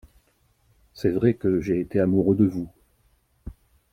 C’est vrai que j’ai été amoureux de vous.